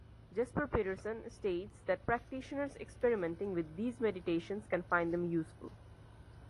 Jesper Petersen states that practitioners experimenting with these meditations can find them useful.